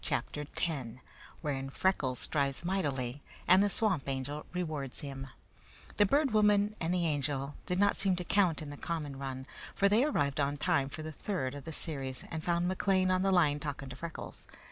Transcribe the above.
CHAPTER X Wherein Freckles Strives Mightily and the Swamp Angel Rewards Him The Bird Woman and the Angel did not seem to count in the common run, for they arrived on time for the third of the series and found McLean on the line talking to Freckles.